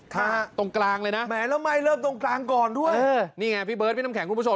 ตรงกลางเลยนะนี่ไงพี่เบิร์ดพี่น้ำแข็งคุณผู้ชม